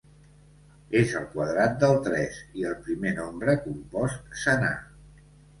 És el quadrat del tres, i el primer nombre compost senar.